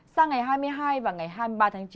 sang ngày hai mươi hai và ngày hai mươi ba tháng chín